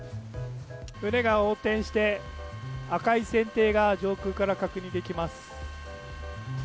船が横転して赤い船底が上空から確認できます。